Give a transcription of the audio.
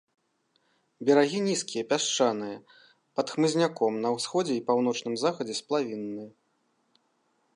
Берагі нізкія, пясчаныя, пад хмызняком, на ўсходзе і паўночным захадзе сплавінныя.